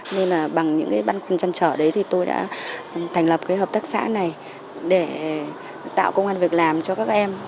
nên là bằng những cái băn khoăn chăn trở đấy thì tôi đã thành lập cái hợp tác xã này để tạo công an việc làm cho các em